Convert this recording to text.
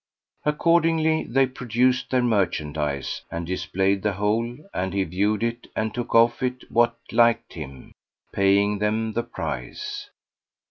Accordingly, they produced their merchandise, and displayed the whole and he viewed it and took of it what liked him, paying them the price.